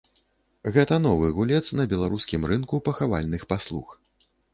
Гэта новы гулец на беларускім рынку пахавальных паслуг.